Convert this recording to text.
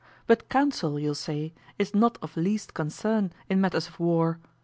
But counsel, you'll say, is not of least concern in matters of war.